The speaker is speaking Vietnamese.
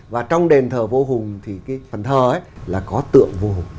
và trong đền thờ vua hùng thì cái phần thờ ấy là có tượng vua hùng